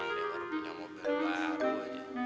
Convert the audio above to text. harinya mobil baru aja